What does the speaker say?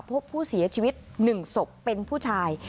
พบผู้เสียชีวิต๑ศพเป็นผู้ชาย